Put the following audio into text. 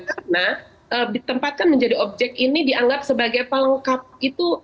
karena ditempatkan menjadi objek ini dianggap sebagai pelengkap itu